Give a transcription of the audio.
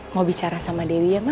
mau bicara sama dewi ya